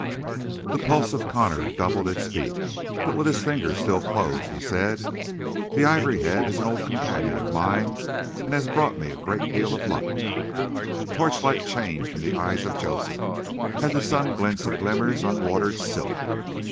The pulse of Connor doubled its beat but with his fingers still closed he said: "The ivory head is an old companion of mine and has brought me a great deal of luck." The torchlight changed in the eyes of Joseph as the sun glints and glimmers on watered silk.